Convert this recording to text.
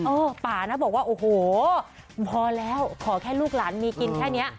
ป่านะบอกว่าโอ้โหพอแล้วขอแค่ลูกหลานมีกินแค่นี้